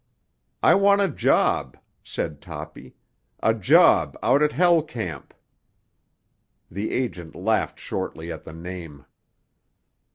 "I want a job," said Toppy. "A job out at Hell Camp." The agent laughed shortly at the name.